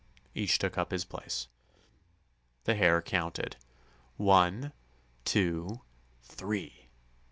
Each took up his place. The Hare counted: "One, two, three!"